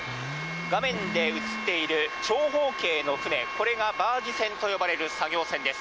画面で映っている長方形の船、これがバージ船と呼ばれる作業船です。